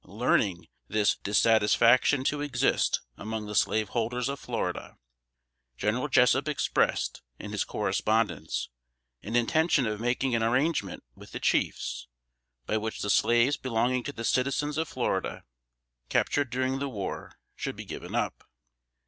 Learning this dissatisfaction to exist among the slaveholders of Florida, General Jessup expressed, in his correspondence, an intention of making an arrangement with the chiefs, by which the slaves belonging to the citizens of Florida, captured during the war, should be given up.